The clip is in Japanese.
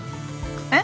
えっ？